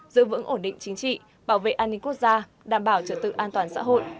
giữ vững ổn định chính trị bảo vệ an ninh quốc gia đảm bảo trợ tự an toàn xã hội